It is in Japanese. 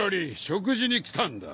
食事に来たんだ。